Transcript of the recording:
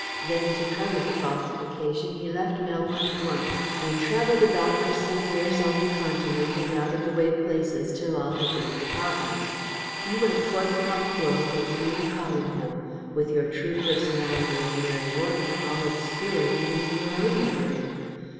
Then, to cover the falsification, he left Melbourne at once, and travelled about for some years on the Continent in out of the way places till all had been forgotten. You went forth upon the world as Una Callingham, with your true personality as Mary Wharton all obscured even in your own memory.